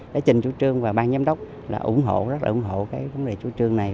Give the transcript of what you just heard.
đã trình chủ trương và ban giám đốc là ủng hộ rất là ủng hộ cái vấn đề chủ trương này